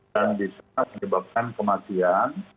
dan bisa menyebabkan kematian